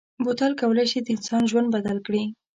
بوتل کولای شي د انسان ژوند بدل کړي.